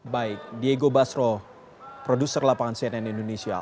baik diego basro produser lapangan cnn indonesia